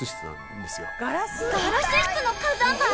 ガラス質の火山灰！？